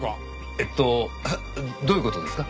えっとどういう事ですか？